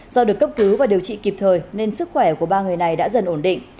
do được cấp cứu và điều trị kịp thời nên sức khỏe của ba người này đã dần ổn định